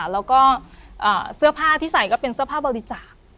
แล้วก็เสื้อผ้าที่ใส่ก็เป็นเสื้อผ้าบริจาค